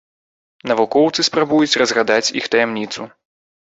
Навукоўцы спрабуюць разгадаць іх таямніцу.